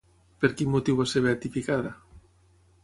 Per quin motiu va ser beatificada?